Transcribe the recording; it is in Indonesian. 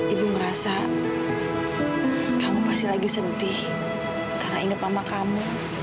ibu merasa kamu pasti lagi sedih karena ingat mama kamu